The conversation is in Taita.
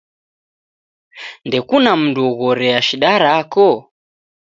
Ndekuna mundu oghorea shida rako?